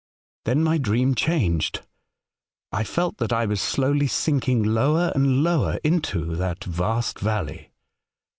*' Then my dream changed. I felt that I was slowly sinking lower and lower into that vast valley.